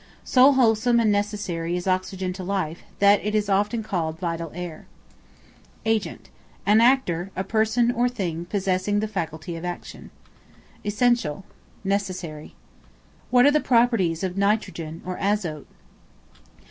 So wholesome and necessary is oxygen to life, that it is often called vital air. Agent, an actor; a person or thing possessing the faculty of action. Essential, necessary. What are the properties of Nitrogen or Azote?